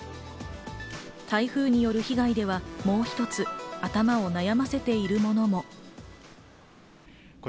台風による被害は、もう一つ、頭を悩ませているものも。